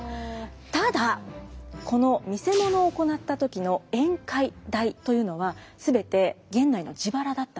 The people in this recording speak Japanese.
ただこの見せものを行った時の宴会代というのは全て源内の自腹だったんですね。